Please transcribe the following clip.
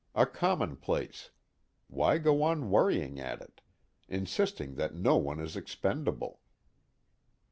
A commonplace: why go on worrying at it, insisting that no one is expendable?